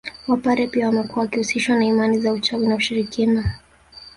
Wapare pia wamekuwa wakihusishwa na imani za uchawi na ushirikina